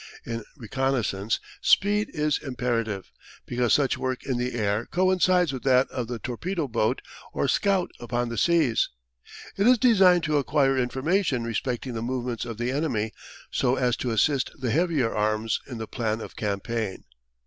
In reconnaissance, speed is imperative, because such work in the air coincides with that of the torpedo boat or scout upon the seas. It is designed to acquire information respecting the movements of the enemy, so as to assist the heavier arms in the plan of campaign.